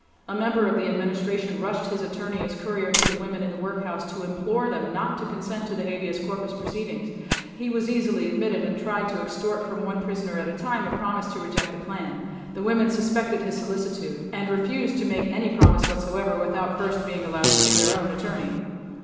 A member of the Administration rushed his attorney as courier to the women in the workhouse to implore them not to consent to the habeas corpus proceedings. He was easily admitted and tried to extort from one prisoner at a time a promise to reject the plan. The women suspected his solicitude and refused to make any promise whatsoever without first being allowed to see their own attorney.